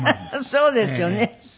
そうですよね。